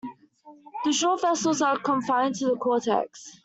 The short vessels are confined to the cortex.